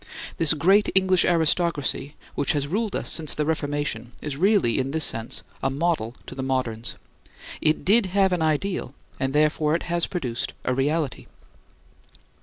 The great English aristocracy which has ruled us since the Reformation is really, in this sense, a model to the moderns. It did have an ideal, and therefore it has produced a reality.